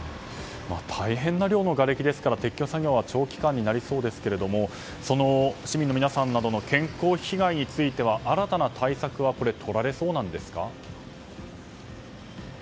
大変な量のがれきですから撤去作業は長期間になりそうですけど市民の皆さんなどの健康被害については新たな対策は取られそうなんですか。